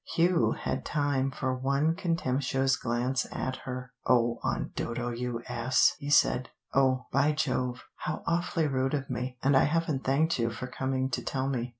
Hugh had time for one contemptuous glance at her. "Oh, Aunt Dodo, you ass!" he said. "Oh, by Jove, how awfully rude of me, and I haven't thanked you for coming to tell me.